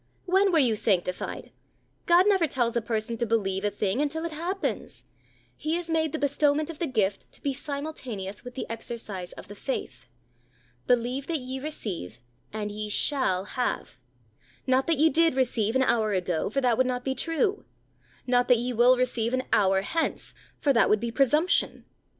When were you sanctified? God never tells a person to believe a thing until it happens. He has made the bestowment of the gift to be simultaneous with the exercise of the faith. Believe that ye receive, and ye shall have not that ye did receive an hour ago, for that would not be true; not that ye will receive an hour hence, for that would be presumption.